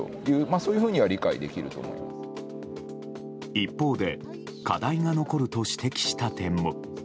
一方で課題が残ると指摘した点も。